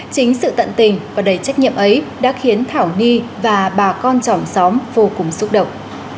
chính sự tận tình và đầy trách nhiệm ấy đã khiến thảo nhi và bà con tròm xóm vô cùng xúc động